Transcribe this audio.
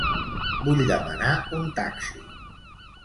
Vull demanar un taxi.